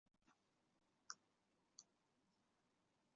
常见副作用包含恶心和昏睡。